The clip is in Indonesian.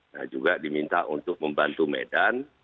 nah juga diminta untuk membantu medan